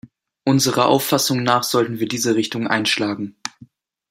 Unserer Auffassung nach sollten wir diese Richtung einschlagen.